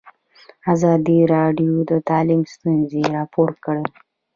ازادي راډیو د تعلیم ستونزې راپور کړي.